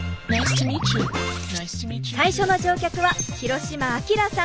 最初の乗客は廣島晶さん。